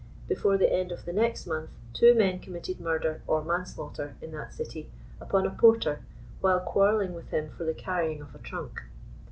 Before the end of the next month, two men committed murder or manslaughter in that city, upon a porter, while quarreling with him for the carrying of a trunk.